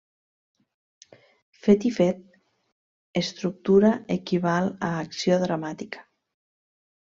Fet i fet estructura equival a acció dramàtica.